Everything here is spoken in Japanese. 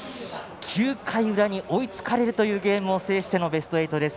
９回裏に追いつかれるというゲームを制してのベスト８です。